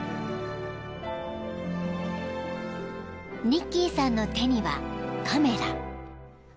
［ニッキーさんの手にはカメラ］